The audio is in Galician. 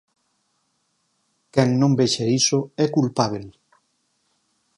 Quen non vexa iso é culpábel.